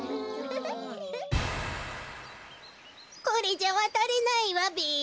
これじゃわたれないわべ。